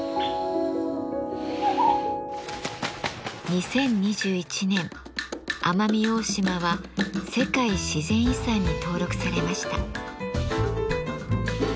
２０２１年奄美大島は世界自然遺産に登録されました。